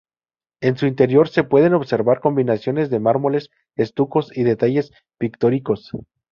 En su interior se pueden observar combinaciones de mármoles, estucos y detalles pictóricos.